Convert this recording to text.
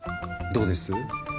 どうです？